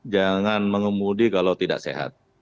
jangan mengemudi kalau tidak sehat